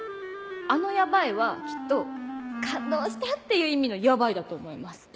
あの「ヤバい」はきっと「感動した！」っていう意味の「ヤバい」だと思います。